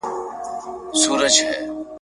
زه لکه چي ژونده ډېر کلونه پوروړی یم ..